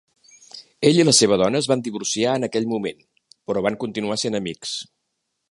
Ell i la seva dona es van divorciar en aquell moment, però van continuar sent amics.